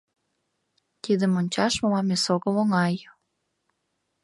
Тидым ончаш мылам эсогыл оҥай.